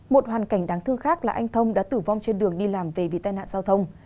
một hoàn cảnh đáng thương khác là anh thông đã tử vong trên đường đi làm vì bị tai nạn giao thông